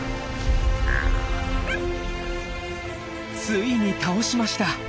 ついに倒しました。